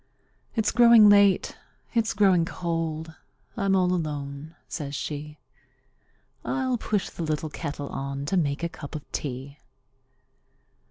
"It's growing late; it's growing cold; I'm all alone," says she; "I'll put the little kettle on, to make a cup of tea!"